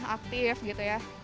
aktif gitu ya